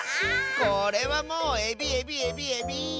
これはもうエビエビエビエビ！